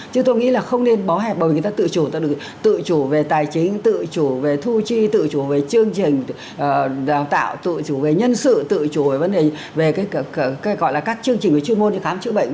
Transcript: chứ tôi nghĩ là không nên bó hẹp bởi người ta tự chủ ta được tự chủ về tài chính tự chủ về thu chi tự chủ về chương trình đào tạo tự chủ về nhân sự tự chủ về vấn đề về cái gọi là các chương trình về chuyên môn để khám chữa bệnh